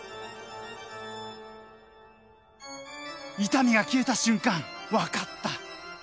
痛みが消えた瞬間分かった。